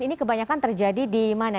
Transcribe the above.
ini kebanyakan terjadi di mana